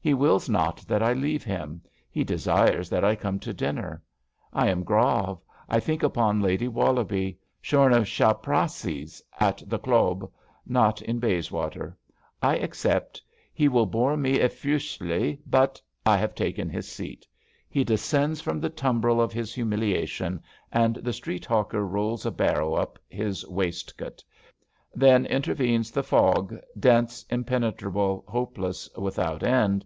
He wills not that I leave him. He desires that I come to dinner. I am grave. I think upon Lady WoUobie — shorn of chaprassies — at the Clob. Not in Bays water. I accept. He will bore me affreusely, but ... I have taken his seat. He descends from the tumbril of his humiliation, aijd the street hawker rolls a barrow up his waist coat. Then intervenes the fog — dense, impenetrable, hopeless, without end.